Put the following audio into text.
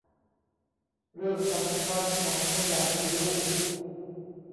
เรื่องสำคัญของคนอยากมีลูก